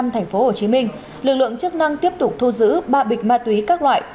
tp hcm lực lượng chức năng tiếp tục thu giữ ba bịch ma túy các loại